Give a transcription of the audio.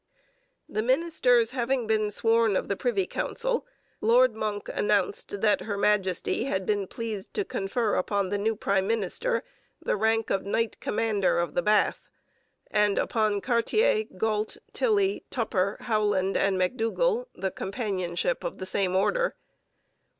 The ministers having been sworn of the Privy Council, Lord Monck announced that Her Majesty had been pleased to confer upon the new prime minister the rank of Knight Commander of the Bath, and upon Cartier, Galt, Tilley, Tupper, Howland, and McDougall the companionship of the same order.